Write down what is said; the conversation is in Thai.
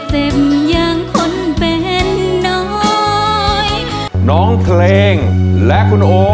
ผ่านยกที่สองไปได้นะครับคุณโอ